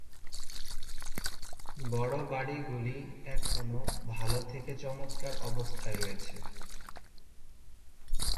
বড় বাড়িগুলি এখনও ভাল থেকে চমৎকার অবস্থায় রয়েছে।